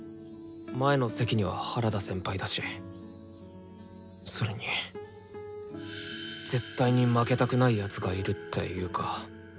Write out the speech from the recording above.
前の席には原田先輩だしそれに絶対に負けたくない奴がいるっていうか。